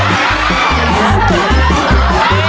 โอ้โอ้โอ้โอ้